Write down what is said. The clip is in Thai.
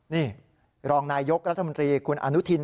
นี่รองนายยกรัฐมนตรีคุณอนุทิน